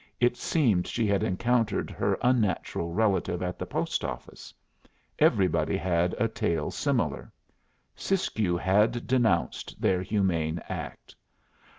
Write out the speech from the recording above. It seemed she had encountered her unnatural relative at the post office. Everybody had a tale similar. Siskiyou had denounced their humane act.